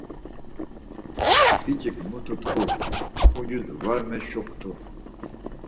Biç̌ik mutu tku ucis var meşuxtu.